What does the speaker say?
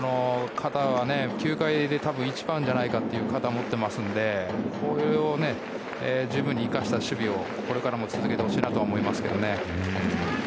肩は球界で多分一番じゃないかというのを持っているのでこれを十分に生かした守備をこれからも続けてほしいと思いますね。